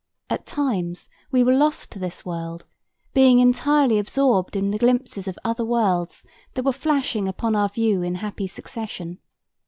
At times we were lost to this world, being entirely absorbed in the glimpses of other worlds that were flashing upon our view in happy succession.